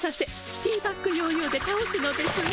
ティーバッグ・ヨーヨーでたおすのですわ。